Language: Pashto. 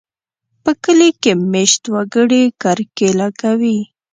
په کلي کې مېشت وګړي کرکېله کوي.